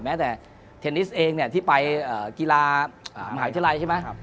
แม้แต่เทนนิสเองที่ไปกีฬามหาวิทยาลัยใช่ไหม